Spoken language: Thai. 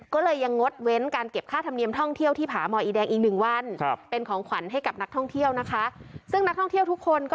ก็เลยยังงดเว้นการเก็บค่าธรรมเนียมท่องเที่ยวที่ผาหมออีแดงอีกหนึ่งวัน